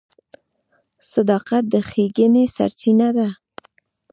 • صداقت د ښېګڼې سرچینه ده.